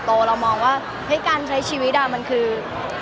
มันเป็นเรื่องน่ารักที่เวลาเจอกันเราต้องแซวอะไรอย่างเงี้ย